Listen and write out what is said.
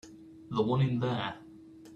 The one in there.